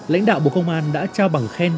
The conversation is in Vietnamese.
lãnh đạo bộ công an đã trao bằng khen